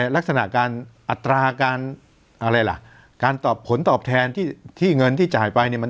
ลักษณะการอัตราการการผลตอบแทนที่เงินที่จ่ายไปมันต่ำ